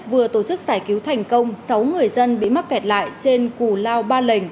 vừa tổ chức giải cứu thành công sáu người dân bị mắc kẹt lại trên cù lao ba lành